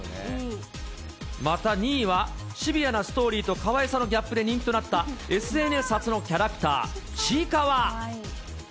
また２位は、シビアなストーリーと、かわいさのギャップで人気となったＳＮＳ発のキャラクター、ちいかわ。